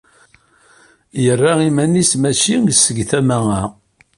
Yerra iman-nnes maci seg tama-a.